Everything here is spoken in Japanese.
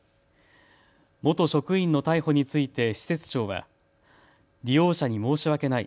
元職員の逮捕について施設長は利用者に申し訳ない。